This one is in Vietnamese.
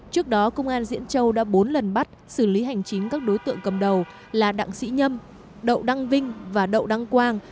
trước đó công an diễn châu đã bốn lần bắt xử lý hành chính các đối tượng cầm đầu là đặng sĩ nhâm đậu đăng vinh và đậu đăng quang